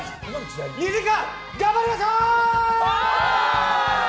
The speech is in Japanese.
２時間頑張りましょう！